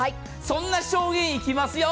そんな商品いきますよ。